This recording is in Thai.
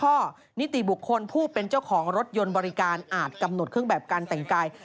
ข้อนิติบุคคลผู้เป็นเจ้าของรถยนต์บริการอาจกำหนดเครื่องแบบการแต่งกาย